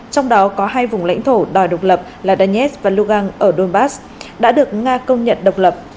trong đó có hai vùng lãnh thổ đòi độc lập là danets và lugang ở donbass đã được nga công nhận độc lập